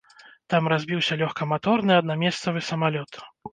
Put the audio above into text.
Там разбіўся лёгкаматорны аднамесцавы самалёт.